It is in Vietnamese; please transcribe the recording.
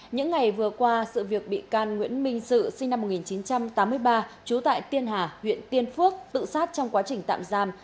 những ngày vừa qua sự việc bị can nguyễn minh dự sinh năm một nghìn chín trăm tám mươi ba trú tại tiên hà huyện tiên phước tự sát trong quá trình tạm giam